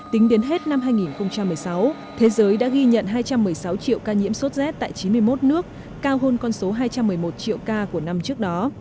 tính đến hết năm hai nghìn một mươi sáu thế giới đã ghi nhận hai trăm một mươi sáu triệu ca nhiễm sốt z tại chín mươi một nước cao hơn con số hai trăm một mươi một triệu ca của năm trước đó